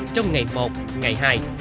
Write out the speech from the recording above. trong ngày một ngày hai